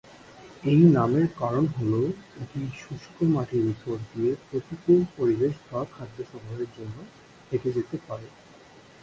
এই নামের কারণ হলো এটি শুষ্ক মাটির উপর দিয়ে প্রতিকূল পরিবেশ বা খাদ্য সংগ্রহের জন্য হেঁটে যেতে পারে।